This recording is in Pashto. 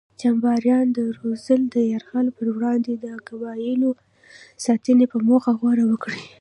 چمبرلاین د رودز د یرغل پر وړاندې د قبایلو ساتنې په موخه غور وکړي.